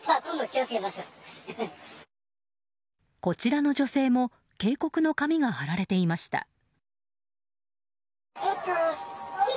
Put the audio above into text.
こちらの女性も警告の紙が貼られていました。